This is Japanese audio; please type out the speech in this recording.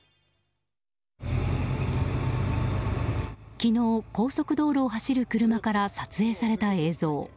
昨日、高速道路を走る車から撮影された映像。